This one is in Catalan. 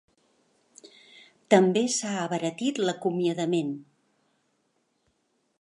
També s’ha abaratit l’acomiadament.